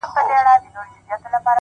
د وه بُت تراشۍ ته! تماشې د ښار پرتې دي!